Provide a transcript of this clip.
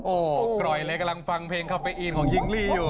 โอ้โหกร่อยเลยกำลังฟังเพลงคาเฟอีนของหญิงลี่อยู่